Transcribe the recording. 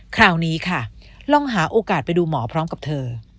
คราวนี้ค่ะลองหาโอกาสไปดูหมอพร้อมกับเธอ